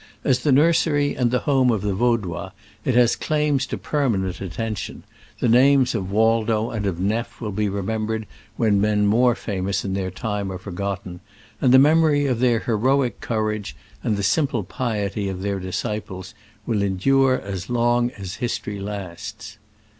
As the nursery and the home of the Vaudois, it has claims to permanent attention : the names of Waldo and of Neflf will be remembered when men more famous in their time are forgotten, and the memory of the heroic courage and the simple piety of their disciples will en dure as long as history lasts.